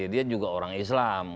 dia juga orang islam